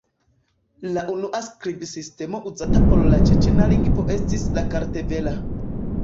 La unua skribsistemo uzata por la ĉeĉena lingvo estis la kartvela.